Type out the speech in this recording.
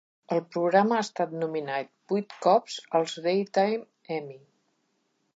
El programa ha estat nominat vuit cops als Daytime Emmy.